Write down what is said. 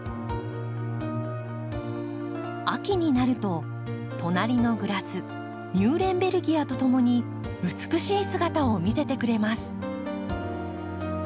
秋になると隣のグラスミューレンベルギアとともに美しい姿を見せてくれます。